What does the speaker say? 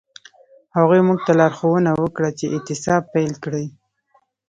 هغوی موږ ته لارښوونه وکړه چې اعتصاب پیل کړئ.